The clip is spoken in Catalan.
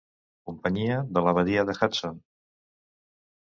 Companyia de la Badia de Hudson.